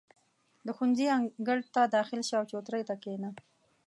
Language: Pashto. • د ښوونځي انګړ ته داخل شه، او چوترې ته کښېنه.